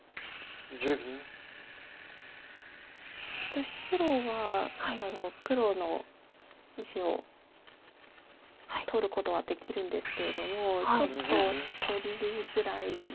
一応白は黒の石を取ることはできるんですけれどもちょっと取りづらい。